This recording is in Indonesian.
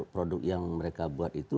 produk yang mereka buat itu